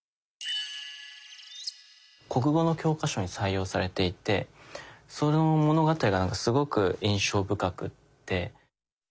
国語の教科書に採用されていてその物語がすごく印象深くて。